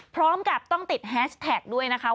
พร้อมกับต้องติดแฮชแท็กด้วยนะคะ